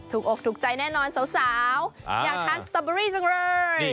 อกถูกใจแน่นอนสาวอยากทานสตอเบอรี่จังเลย